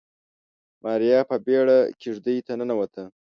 ماريا په بيړه کېږدۍ ته ننوته.